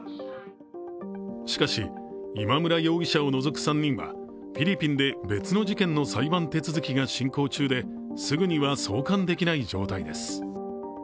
しかし、今村容疑者をのぞく３人はフィリピンで別の事件の裁判手続きが進行中ですぐには送還できない状態です。